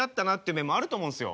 面もあると思うんですよ。